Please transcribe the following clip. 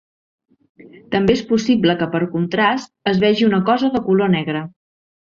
També és possible que per contrast es vegi una cosa de color negre.